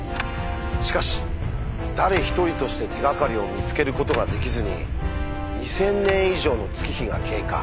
しかし誰一人として手がかりを見つけることができずに２，０００年以上の月日が経過。